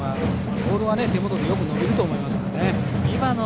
ボールは手元でよく伸びると思いますね。